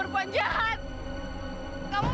apa kabar bu